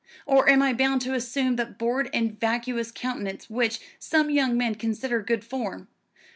Or am I bound to assume that bored and vacuous countenance which some young men consider good form?